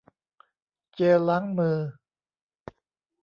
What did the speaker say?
เจลล้างมือ